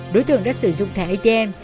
đối tượng đã sử dụng thẻ atm